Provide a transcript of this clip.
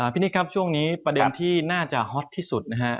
นิกครับช่วงนี้ประเด็นที่น่าจะฮอตที่สุดนะฮะ